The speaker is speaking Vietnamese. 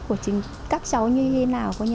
của các cháu như thế nào